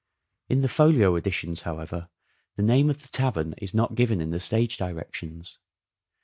In the Folio Editions, however, the name of the tavern is not given in the stage directions.